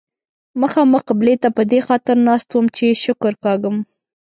مخامخ قبلې ته په دې خاطر ناست وم چې شکر کاږم.